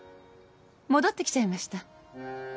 戻ってきちゃいました。